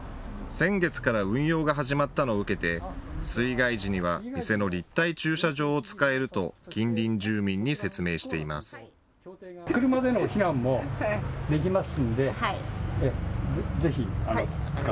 先月から運用が始まったのを受けて水害時には店の立体駐車場を使えると近隣住民に説明しています。